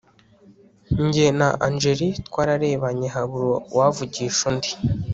njye na angel twararebanye habura uwavugisha undi